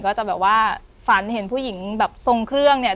ก็จะแบบว่าฝันเห็นผู้หญิงแบบทรงเครื่องเนี่ย